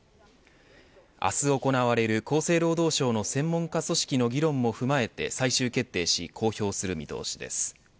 明日行われる厚生労働省の専門家組織の議論も踏まえて最終決定し公表する見通しです。